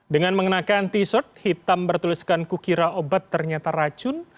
dengan mengenakan t shirt hitam bertuliskan kukira obat ternyata racun